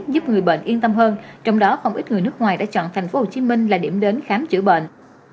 giúp người bệnh yên tâm hơn trong đó không ít người nước ngoài đã chọn tp hcm là điểm đến khám chữa bệnh